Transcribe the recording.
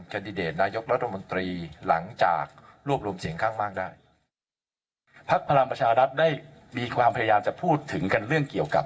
แดดิเดตนายกรัฐมนตรีหลังจากรวบรวมเสียงข้างมากได้พักพลังประชารัฐได้มีความพยายามจะพูดถึงกันเรื่องเกี่ยวกับ